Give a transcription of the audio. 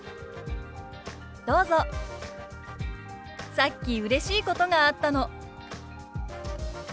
「さっきうれしいことがあったの」。